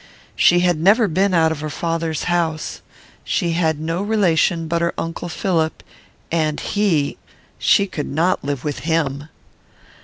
She had never been out of her father's house. She had no relation but her uncle Philip, and he she could not live with him.